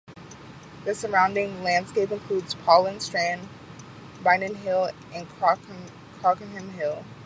The surrounding landscape includes Pollan Strand, Binion hill and Crockaughrim hill.